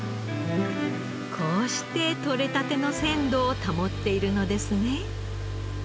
こうして獲れたての鮮度を保っているのですね。